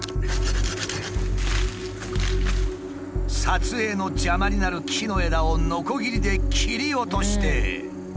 撮影の邪魔になる木の枝をノコギリで切り落として。